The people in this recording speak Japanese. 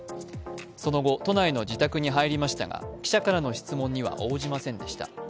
その後、都内の自宅に入りましたが記者からの質問には応じませんでした。